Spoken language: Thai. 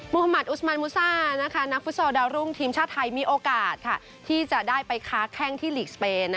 ฮามัติอุสมันมูซ่านักฟุตซอลดาวรุ่งทีมชาติไทยมีโอกาสที่จะได้ไปค้าแข้งที่ลีกสเปน